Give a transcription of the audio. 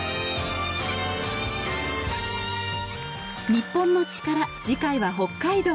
『日本のチカラ』次回は北海道。